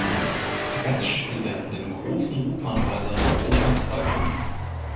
Gastspiele an den großen Opernhäuser Europas folgten.